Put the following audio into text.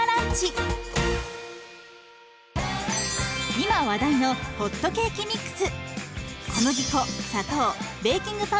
今話題のホットケーキミックス。